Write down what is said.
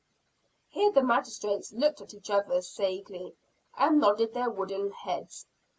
Here the magistrates looked at each other sagely, and nodded their wooden heads.